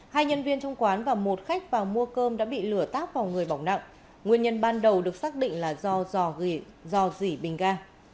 hai nhân viên trong quán và một khách vào mua cơm đã bị lửa táp vào người bỏng nặng nguyên nhân ban đầu được xác định là do dỉ bình ga